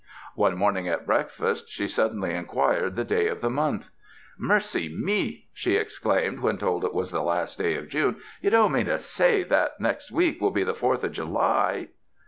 One morning at breakfast, she suddenly inquired the day of the month. *' Mercy me !'' she exclaimed, when told it was the last day of June, "you don't mean to say that next week will be the Fourth of July?"